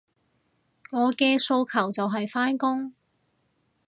我嘅訴求就係返工